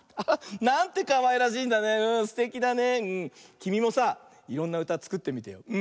きみもさいろんなうたつくってみてよ。